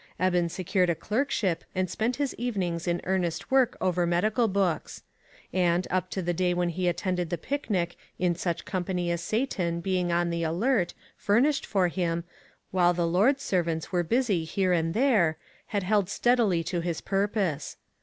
Eben secured a clerkship, and spent his evenings in earnest work over medical books ; and, up to the day when he attended the picnic in such company as Satan, being on the alert, furnished for him, while the Lord's servants were busy here and there, had held steadily to his purpose.